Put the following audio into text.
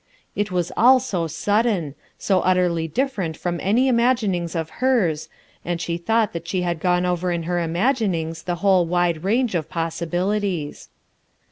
It was all so sudden, so utterly tlifferent from any imaginings of hers, and she thought that she had gone over in her imaginings the whole wide range of possibilities.